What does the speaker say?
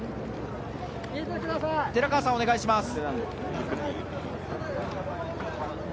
寺川さん、お願いします。